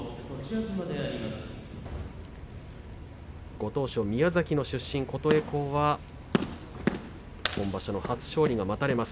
ご当所宮崎の出身、琴恵光は初白星が待たれます。